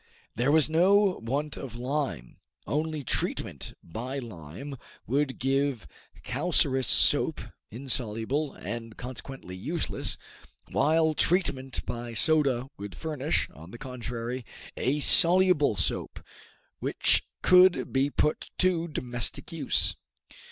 There was no want of lime, only treatment by lime would give calcareous soap, insoluble, and consequently useless, while treatment by soda would furnish, on the contrary, a soluble soap, which could be put to domestic use.